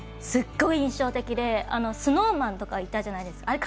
すごい印象的でスノーマンとかいたじゃないですか。